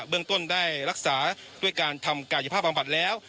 เรื่องต้นได้รักษาด้วยการทำกายภาพบำบัดแล้ว